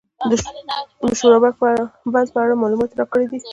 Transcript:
د شورابک بند په اړه یې معلومات راکړي دي.